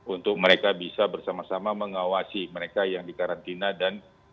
untuk mereka bisa bersama sama mengawasi mereka yang dikarantina dan